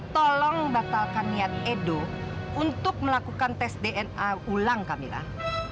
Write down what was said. tolong batalkan niat edo untuk melakukan tes dna ulang kamilah